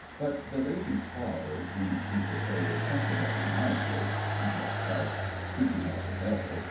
But the lady's father, whom people say is something of a miser but hush! speaking of the Devil.